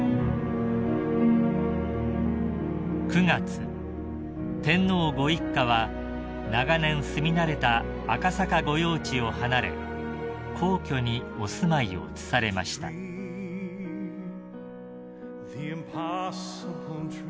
［９月天皇ご一家は長年住み慣れた赤坂御用地を離れ皇居にお住まいを移されました］